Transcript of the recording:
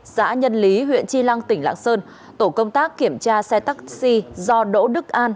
xã nhân lý huyện chi lăng tỉnh lạng sơn tổ công tác kiểm tra xe taxi do đỗ đức an